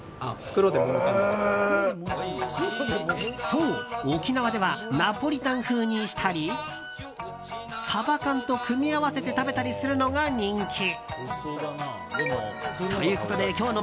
そう、沖縄ではナポリタン風にしたりサバ缶と組み合わせて食べたりするのが人気。